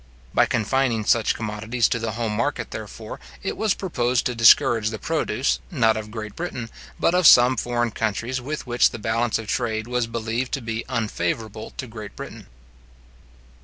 By confining such commodities to the home market, therefore, it was proposed to discourage the produce, not of Great Britain, but of some foreign countries with which the balance of trade was believed to be unfavourable to Great Britain.